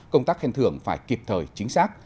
công tác khen thưởng phải kịp thời chính xác